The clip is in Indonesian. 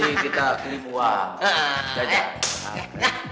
nanti kita beli uang